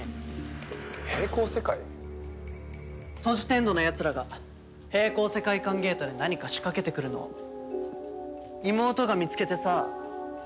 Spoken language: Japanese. トジテンドのやつらが並行世界間ゲートで何か仕掛けてくるのを妹が見つけてさ。